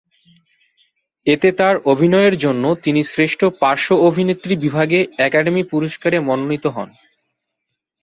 এতে তার অভিনয়ের জন্য তিনি শ্রেষ্ঠ পার্শ্ব অভিনেত্রী বিভাগে একাডেমি পুরস্কারে মনোনীত হন।